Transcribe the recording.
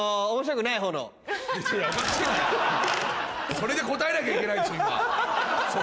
それで答えなきゃいけないんでしょ？